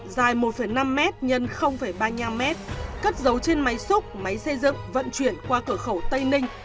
dài một năm m x ba mươi năm m cất dấu trên máy xúc máy xây dựng vận chuyển qua cửa khẩu tây ninh